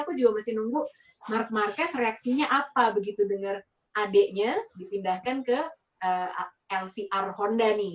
aku juga masih nunggu mark marquez reaksinya apa begitu denger adeknya dipindahkan ke lcr honda nih